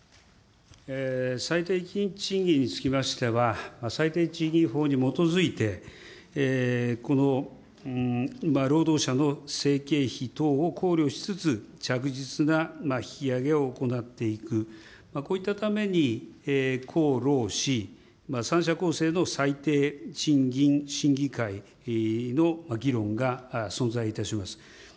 最低賃金につきましては、最低賃金法に基づいて、労働者の生計費等を考慮しつつ、着実な引き上げを行っていく、こういったために、公労使３者構成の最低賃金審議会の議論が存在いたします。